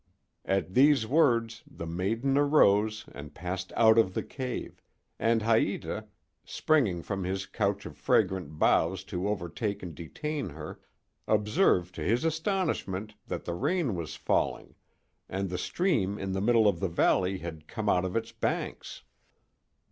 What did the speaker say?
At these words the maiden arose and passed out of the cave, and Haïta, springing from his couch of fragrant boughs to overtake and detain her, observed to his astonishment that the rain was falling and the stream in the middle of the valley had come out of its banks.